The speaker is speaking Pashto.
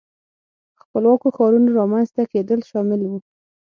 خپلواکو ښارونو رامنځته کېدل شامل وو.